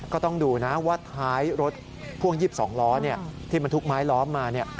ก็ต้องดูนะว่าท้ายรถพ่วง๒๒ล้อที่บรรทุกไม้ล้อมมา